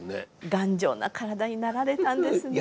頑丈な体になられたんですね。